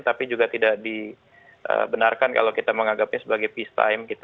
tapi juga tidak dibenarkan kalau kita menganggapnya sebagai peacetime